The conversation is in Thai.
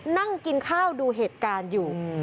นั่งกินข้าวดูเหตุการณ์อยู่